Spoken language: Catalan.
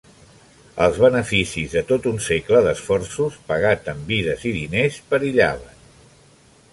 Els beneficis de tot un segle d'esforços, pagat amb vides i diners, perillaven.